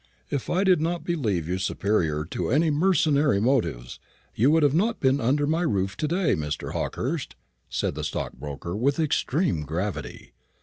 "If I did not believe you superior to any mercenary motives, you would not have been under my roof to day, Mr. Hawkehurst," said the stockbroker, with extreme gravity.